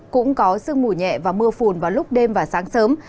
cũng có sương mùi nhẹ và mưa phùn vào lúc đêm và sáng sớm